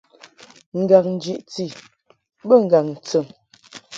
Ngaŋ jiʼti bə ŋgaŋ tɨn.